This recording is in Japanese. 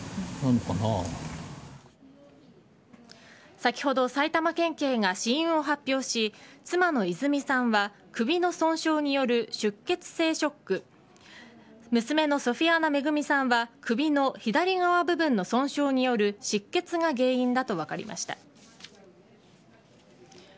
先ほど埼玉県警が死因を発表し妻の泉さんは首の損傷による出血性ショック娘のソフィアナ恵さんは首の左側部分の損傷による失血が原因だと分かりました。